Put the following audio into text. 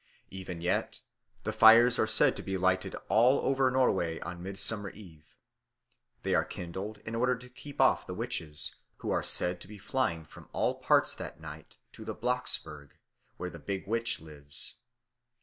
Even yet the fires are said to be lighted all over Norway on Midsummer Eve. They are kindled in order to keep off the witches, who are said to be flying from all parts that night to the Blocksberg, where the big witch lives.